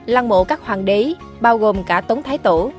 lăng mộ các hoàng đế bao gồm cả tống thái tổ